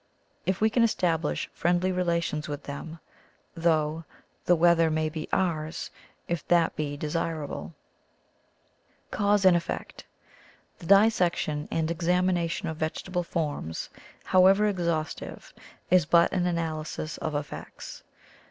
181 THE COMING OF THE FAIRIES If we can establish friendly relations with them, though, the weather may be ours, if that be desirable I ^' Cause and Effect. — The dissection and examination of vegetable forms, however exhaustive, is but an analysis of effects.